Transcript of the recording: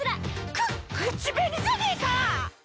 く口紅じゃねえか！